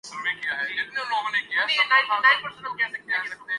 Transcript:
سیاسی جماعتوں کو عوامی شعور کی تربیت کرنی چاہیے۔